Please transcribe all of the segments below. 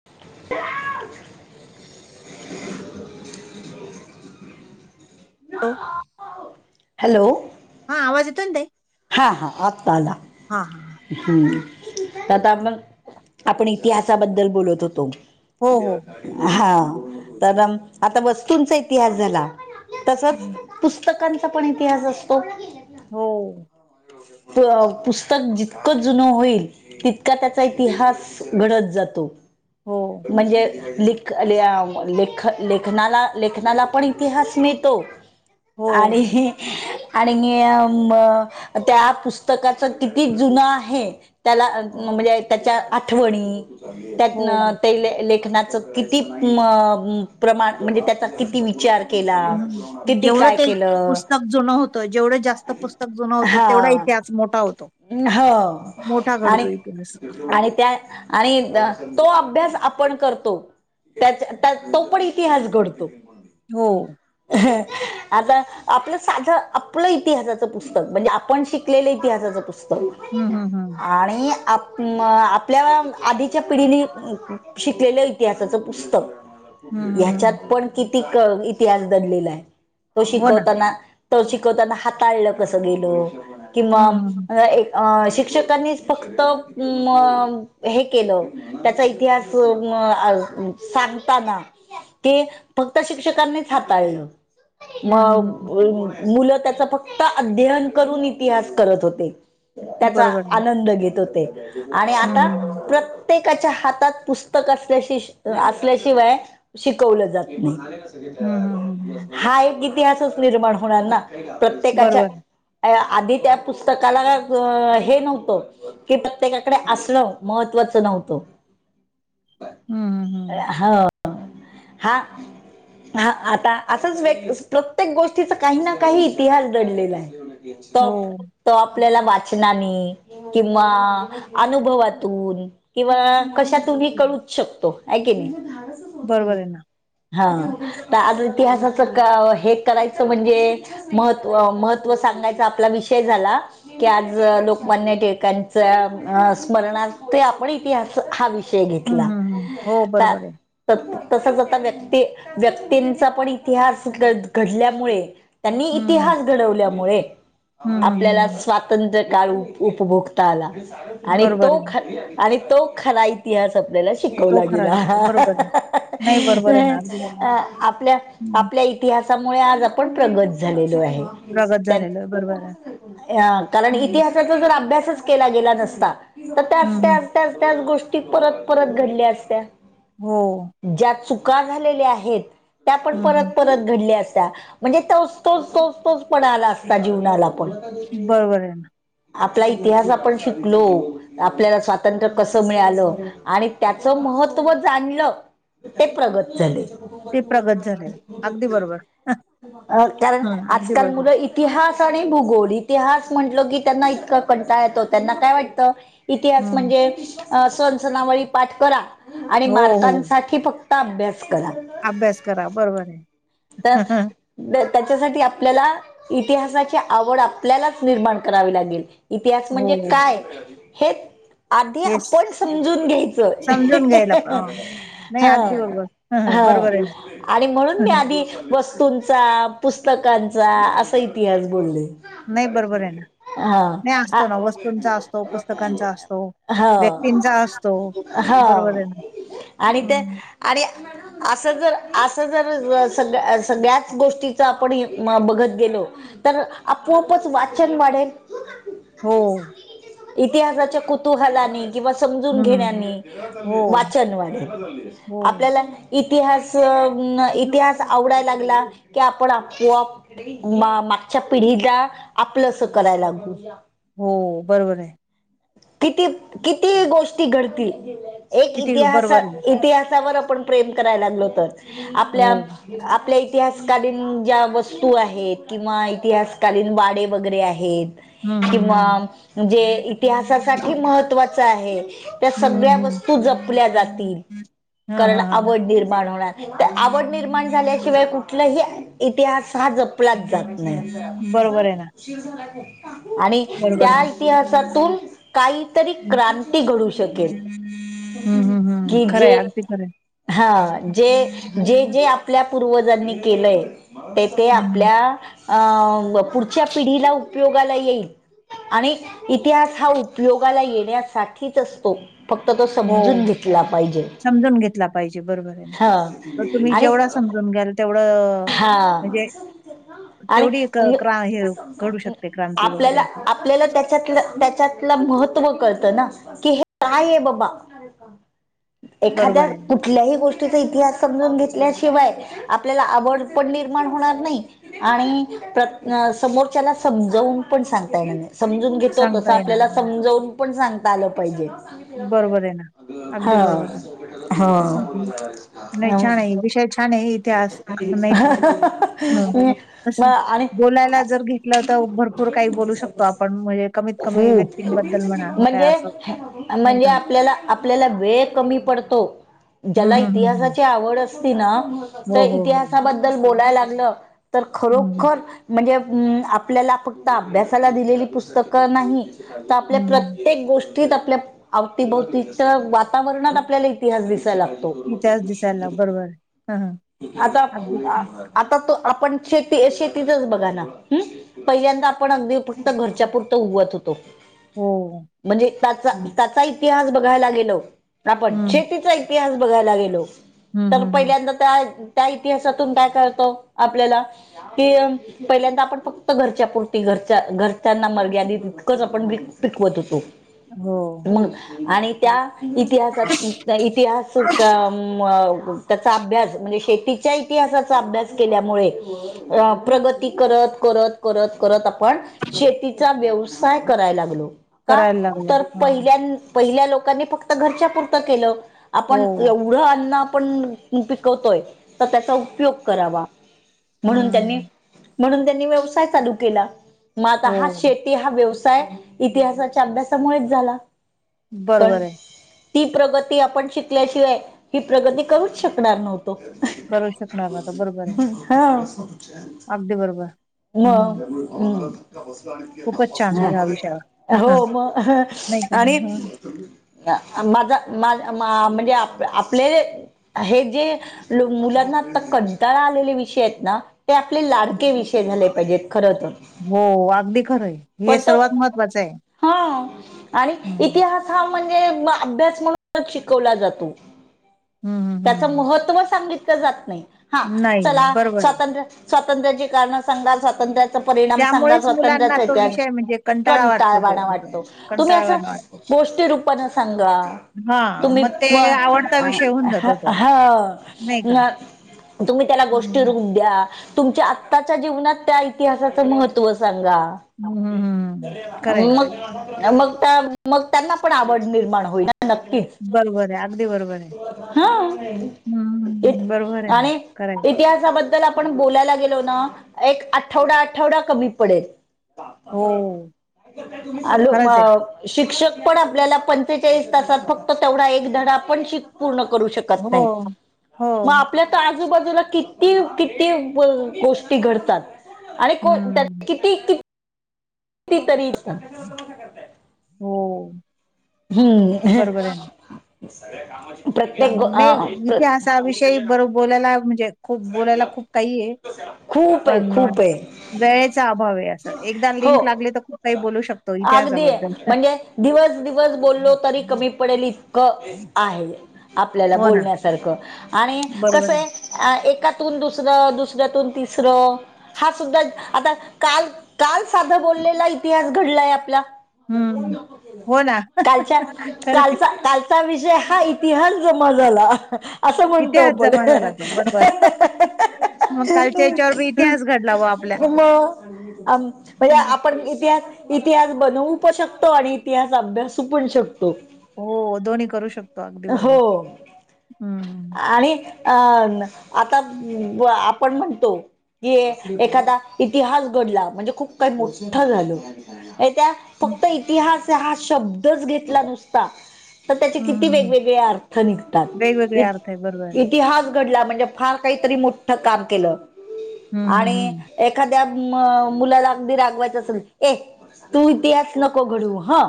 [inaudible] हो. हॅलो? हा, आवाज येतो ना ताई? हा हा, आत्ता आला. हा हा हा हम्म! आताग आपण इतिहासाबद्दल बोलत होतो. हो हो हो हा, तर आता वस्तूंचा इतिहास झाला. तसच हम्म. पुस्तकांचा पण इतिहास असतो. हो. पुस्तक जितकं जुनं होईल तितका त्याचा इतिहास घडत जातो. हो म्हणजे लख लेख लेखनाला लेखनाला पण इतिहास मिळतो. हो आणि, आणि म त्या पुस्तकाचं किती जुन आहे त्याला म्हणजे, त्याच्या आठवणी, त्या हो ते लेखनाच किती म प्रमाण म्हणजे, त्याचा किती विचार केला ह किती जेवढं काय ते केलं पुस्तक जुनं होतं, जेवढं जास्त पुस्तक स्तक जुन होत, हा तेवढा इतिहास मोठा होतो. हो, मोठा घडतो आणि, इतिहास आणि त्या आणि तो अभ्यास आपण करतो. त्या तो पण इतिहास घडतो. हो. हां आता आपलं, साधं आपलं इतिहासाच पुस्तक पुस्तक म्हणजे आपण शिकलेलं इतिहासाचं पुस्तक. हन ह ह. आणि आप म आपल्या आधीच्या पिढीने शिकलेलं इतिहासाचं पुस्तक. तर मला हम्म हम्म ह्याच्यात हम्म पण कितीक इतिहास दडलेला आहे? तो हो ना शिकवताना तर शिकवताना, हाताळलं कसं गेलं किंवा हम्म हम्म एक आ शिक्षकांनीच फक्त म हे केलं. त्याचा इतिहास म सांगताना ते फक्त शिक्षकांनीच हाताळलं. म हम्म हम्म हम्म हम्म मु मुलं त्याचा फक्त अध्ययन करून इतिहास करत होते. त्याचा बरोबर आहे आनंद घेत होते आणि हम्म आता हम्म प्र त्येकाच्या हातात पुस्तक असल्या असल्याशिवाय शिकवलं जात नाही. हम्म हम्म हम्म हम्म हम्म [inaudible] हा एक इतिहासच निर्माण होणार ना, प्रत्येकाच्या बरोबर ॲ आधी त्या पुस्तकाला अ क हे नव्हतं. कि प्रत्येकाकडे आसणं महत्वाचं नव्हतं. आं ह ह. हा हा आता असंच व्यकत्स, प्रत्येक गोष्टीचा काही ना काही इतिहास दडलेला हाय. तो हो तो आपल्याला वाचनानी किंवा अनुभवातून किंवा कशातूनही कळूच शकतो की, हाय की नी. बरोबर आहे ना. हा त आजुन इतिहासाचं क हे करायचं म्हंजे महत्त्व महत्त्व सांगायचा आपला विषय झाला की, आज लोकमान्य टिळकांच्या अ स्मरणार्थ ते आपण इतिहास हा विषय हे घेतला हम्म हम्म हम्म हो ता बरोबर आहे त तस तस व्यक्ती व्यक्तींचा पण इतिहास घ घडल्यामुळे त्यांनी हम्म इतिहास घडवल्यामुळे, हम्म हम्म आपल्याला हम्म स्वा तंत्र्य काळ उप उपभोगता आला, आणि बरोबर तो आहे खरा आणि तो, खरा इतिहास आपल्याला तो शिकवला खरा गेला. घेतला बरोबर आहे. [inaudible] [inaudible] नाही बरोबर आहे ना हं अगदी बरोबर आ आपल्या हम्म आपल्या त्या इतिहासामुळे आज आपण प्रगत झालेलो आहे. प्रगत त्यात झालेलं आहे बरोबर आहे. ॲ अ कारण, हम्म इतिहासाचा जर अभ्यासच केला गेला नसता तर, त्याचं हम्म हम्म. त्याच त्याच त्याच गोष्टी परत परत घडल्या असत्या. हो. ज्या चुका झालेल्या आहेत. त्या पण हम्म परत हम्म परत घडल्या असत्या म्हणजे, तो तोच तोच तोच पणा आला असता जीवनाला पण बरोबर आहे ना आपला इतिहास आपण शिकलो आपल्याला स्वातंत्र्य कसं मिळालं आणि त्याचं महत्त्व जाणलं ते प्रगत झाले. [inaudible] ते प्रगत झालेलं आहे. अगदी बरोबर अ कारण हा अगदी आजकाल बरोबर मुलं ई तिहास आणि भूगोल, इतिहास म्हटलो की, त्यांना इतका कंटाळा येतो, त्यांना काय वाटतं? इतिहास हम्म म्हणजे सण सनावळी पाठ करा आणि हो हो मारकांच की, फक्त अभ्यास करा. अभ्यास करा बरोबर आहे. हः हं ह त्त्यांच्यासाठी आपल्याला इतिहासाची, आवड आपल्यालाच निर्माण करावी लागेल. इतिहास म्हणजे हो काय हे, आधी हे आपण समजून घ्यायचंय समजून हः घ्यायला हं ह अ, हः नाही अगदी हं बरोबर ह बरोबर आहे ना आणि म्हणून हं, मी हं. आधी की वस्तूंचा पुस्तकांचा, असा इतिहास बोलले. नाही बरोबर आहे ना हा नाही असतो ना काय? वस्तूंचा असतो अ पुस्तकांचा असतो अ हं व्यक्तींचा असतो ह बरोबर आहे ना आणि ते, हं. आणि असं जर असं जरअ सगळं सगळ्याच गोष्टीचअपण एकमाप आपण बघत गेलो. तर आपोआपच वाचन वाढेल. हो, इतिहासाच्या कुतूहलाने किंवा, समजून हम्म घेण्यानी हो, वाचन वाढेल. [inaudible] हो, आपल्याला त्यइतिहास इतिहास आवडायला लागला की, आपण आपोआ मागच्या पिढीला आपलं अस कराय लागू. हो बरोबर आहे. किती किती गोष्टी घडतील एक किती बरोबर इतिहाासात. आहे. ते इतिहासावर आपण प्रेम करायला लागलो होतं. हो. आपल्या इतिहासकालीन ज्या वस्तू आहेत. किंवा इतिहासकालीन वाडे वगैरे आहेत. हं, हं, किंवा हं. जे इतिहासासाठी महत्त्वाचं आहे. त्या हं, सगळ्या हं, हं. वस्तू जपल्या जातील. हां, कारण हां, हां. आवड निर्माण होणार तर आवड निर्माण झाल्याशिवाय कुठलंही. इतिहास हा जपलाचं जात. नाही. बरोबर आहे ना, बरोबर आहे त्या ना. इतिहासातून काहीतरी क्रांती घडू शकते. हं, शकेल. हं, हं. कि खरं जे आहे, अगदी खरं आहे. हहः जे जे जे आपल्या पूर्वजांनी केलंय ते हं. आपल्या. पुढच्या पिढीला उपयोगाला येईल आणि. इतिहास हा उपयोगाला येण्यासाठीचं असतो. फक्त तो हो, समजून घेतो. समजून घेतला पाहिजे बरोबर आहे हा ना तुम्ही आणि जेवढा समजून घ्याल तेवढं. हा म्हणजे आणि तेवढी घडू शकते क्रांती वगैरे. आपल्याला आपल्याला त्याच्यातला महत्त्व कळतं ना कि हे काय आहे बाबा. का. एखाद्या बरोबर आहे. कुठल्याही गोष्टीचा इतिहास समजून घेतल्याशिवाय आपल्याला. आवड पण निर्माण होणार नाही. आणि समोरच्याला समजवून पण सांगता येणार नाही समजून घेतो तसं सांगता येणार आपल्याला नाही. समजवून पण सांगता आलं पाहिजे. बरोबर आहे ना. अगदी हा, बरोबर आहे. हा, हं, हं. नाही अ. छान आहे, विषय इतिहास नाही का मग आणि बोलायला जर घेतलं. तर भरपूर काही बोलू शकतो आपण म्हणजे कमीत कमी खूप व्यक्तींबद्दल म्हणा काय म्हणजे असेल. म्हणजे आपल्याला वेळ कमी पडतो ज्याला हम्म हम्म हम्म हम्म इतिहासाची आवड. असते. तर हो हो हो इतिहासाबद्दल बोलाय लागलं तर हम्म खरोखर. म्हणजे आपल्याला फक्त अभ्यासाला दिलेली पुस्तकं नाही. तर आपल्या हम्म प्रत्येक गोष्टी. आपल्या आवतीभोवतीच्या वातावरणात आपल्याला इतिहास दिसायला लागतो. म त् [unintelligible] याच दिसायला बरोबर हा ह आता तो आपण शेतीचचं बघा ना. पहिल्यांदा आपण अगदी फक्त घरच्या पुुरतं उगवतं होतो. हो. म्हणजे त्याचा इतिहास बघायला गेलो आपण हम्म शेतीचा. इतिहास बघायला गेलो हम्म तर हम्म हम्म पहिल्यांदा. त्या इतिहासातून काय कळतं आपल्याला कि. पहिल्यांदा आपण फक्त घरच्या पुुरती घरच्या घरच्यांना मर्यादित तितकंच आपण पिकवंतं होतो. हो, मग आणि त्या इतिहासात. इतिहास त्याचा अभ्यासं. शेतीच्या इतिहासाचा अभ्यास केल्यामुळे प्रगती करत करत आपण. पण शेतीचा व्यवसाय करायला लागलो. का. करायला लागलं तर हा पहिल्या. पहिल्या लोकांनी फक्त घरच्या पुरतं केलं हो आपण एवढं अन्न आपणं. पिकवतो तर त्याचा उपयोग करावा म्हणून त्यांनी. हम्म म्हणून त्यांनी व्यवसाय चालू केला मगं आता हो हा शेतकरी. हा व्यवसाय इतिहासाच्या अभ्यासामुळेचं झाला कारण. बरोबर आहे ती प्रगती आपण शिकल्याशिवाय ही प्रगती करूचं शकणार नव्हतो. करू शकणार ना तर बरोबर आहे हा. अगदी बरोबर. म. हम्म खूपच छान या विषयावर हो मग नाही का आणि हं. माझ म्हणजे आपले हे जे मुलांना आता कड्डाळा आलेले विषय आहेत ना ते आपले लाडके विषय हे झाले पाहिजेत खरं तर हो अगदी खरंय हे पण त सर्वात महत्वाचं आहे. हा आणि हं. इतिहास हा म्हणजे अभ्यास म्हणून शिकवला जातो हम् हम हंम महव सांगितलं जात नाही हा नाही चला बरोबर आहे. स्वंत्र स्वातंत्र्याची कारणं सांगा स्वातंत्र्या परिणाम सांगा त्यामुळेच मुलांना तो स्वतंत्र विषय म्हणजे कंटाळा वाटतो तो कंटाळवाणा असं वाटतो. तुम्ही असं कंटाळवाणा वाटतो. गोष्टी रूपाने सांगा. हां, तुम्ही मग ते म आवडता विषय होऊन जातो तो हा नाही का? तुम्ही त्याला गोष्टी रु हं. द तुमच्या आत्ताच्या जीवनात त्या इतिहासाचं महत्त्व सांगा हं, हं, हं. खरं आहे. मग मग त्या मग त्यांना पण आवड निर्माण होईल नक्कीच बरोबर आहे अगदी बरोबर आहे हा हम् बरोबर आहे ना करायच इतिहासामध्ये आपण बोलायला गेलो ना एक आठवडा आठवडा कमी पडेल हो, आॅलो म खरंच आहे. शिक्षक पण आपल्याला पंचेचाळीस तासात फक्त तेवढा एक धडा पण श पूर्ण करू शकतो हो, नाही हो. मग आपल्या आजूबाजूला किती किती गोष्टी घडतात आणि को त्यात हं. किती किती तरी हो हम्म बरोबर आहे ना. प्रत्येक ग त्या विषयी बर बोलायला म्हणजे खूप बोलायला खूप काही आहे खूप आहे पण, खूप आहे वेळेचा अभाव आहे अस एकदा लिंक हो लागले तर खूप काही बोलू शकतो अगदी इतिहासाबद्दल. म्हणजे दिवस दिवस बोललो तरी कमी पडेल इतक आहे आपल्याला हो ना बोलण्यासारखं आणि कस आहे. अ एका तून दुसरं दुसऱ्यातून तिसर हा सुद्धा आता काल- काल साधं बोललेला इतिहास घडलाय आपला. हम्म हो ना कालच्या- खरं आहे. कालचा काल विषय हा इतिहास जमा झाला असं म्हणतो इतिहास आपण. जमा झाला बरोबर मग कालच्या याच्यावर इतिहास घडला व आपल्या अ म्हणजे नाही का पण इतिहास- इतिहास बनवू प शकतो आणि इतिहास अभ्यासू पण शकतो. हो दोन्ही करू शकतो अगदी बरोबर, हो हम्म. आणि अ आता आपण म्हणतो क एखादा इतिहास घडला म्हणजे खूप काही मोठं झाल. ये त्या फक्त इतिहास हा शब्द च घेतला नुसता तर त्याचे हम्म किती हम्म. हम्म. वेगवेगळे अर्थ निघतात. वेगवेगळे अर्थ आहे बरोबर आहे इतिहास घडला म्हणजे फार काहीतरी मोठ काम केल हम्म हम्म आणि एखाद्या मुलाला अगदी रागवायचं असेल ए तू इतिहास नको घडवू ह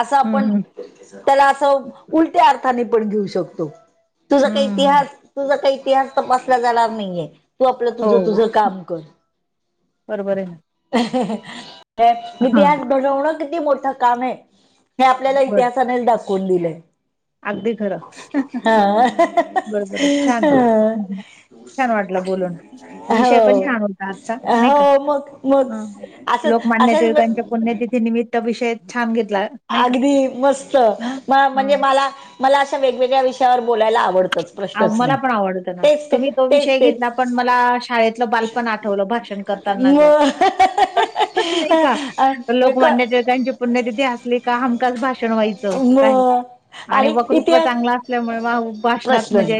अस हम्म आपण हम्म त्याला अस उलट्या अर्थाने पण घेऊ शकतो. तुझा काही हम्म हम्म. इतिहास तुझा काही इतिहास तपासला जाणार नाहीे. तू आपल तुझ तुझ काम कर. बरंबर हे हा -हा- हा, इतिहास घडवण किती मोठा काम आहे हे आपल्याला बर इतिहासानेच दाखवून दिलेय- अगदी खरं हं हा बरोबर छान आहे हम्म. छान वाटलं बोलून हा विषय पण छान होता आजचा हा... हो नाही का -हो मग- मग ह अस लोकमान्य असच टिळकांच्या म- पुण्यतिथी निमित्त विषय छान घेतला नाही का अगदी मस्त ह म हा म्हणजे मला मला अशा वेगवेगळ्या विषयावर बोलायला आवडतच. मला पण आवडत ना, तुम्ही तो विषय तेच घेतला तेच पण मला शाळेतलं बालपण आठवल भाषण- करतानाच. म हा -हा नाही का, अ क लोकमान्य टिळकांचे- पुण्यतिथी असली का हमकास भाषण व्हायच काही म आणि वक्तृत्व चांगला- ल्यामुळे [unintelligible] [unintelligible] नाही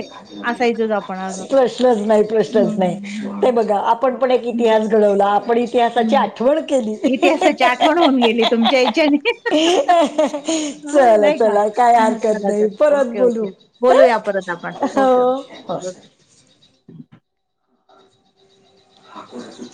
प्रश्नच नाही, प्रश्नच नाही हम्म ते बघा आपण पण एक हं, इतिहास घडवला आपण- इतिहासाची हं. आठवण केली, ही इतिहासाची आठवण होऊन गेली तुमच्या याच्याने. ही ही हा हा हां, चला नाही का? चला काय हां, हरकत चला, नाही चला. परत ओके, ओके. बोलू. बोलूया परत आपण हो ओके-ओके. [unintelligible]